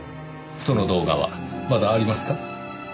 その動画はまだありますか？